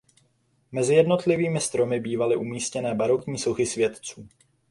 Mezi jednotlivými stromy bývaly umístěné barokní sochy světců.